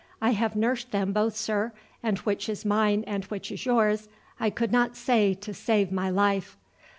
"I have nursed them both, sir, and which is mine and which is yours I could not say to save my life."